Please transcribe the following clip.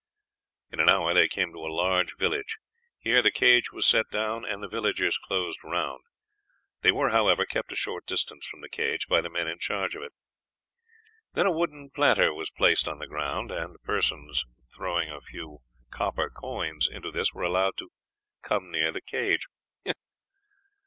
In an hour they came to a large village. Here the cage was set down and the villagers closed round. They were, however, kept a short distance from the cage by the men in charge of it. Then a wooden platter was placed on the ground, and persons throwing a few copper coins into this were allowed to come near the cage.